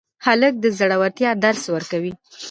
هلک د زړورتیا درس ورکوي.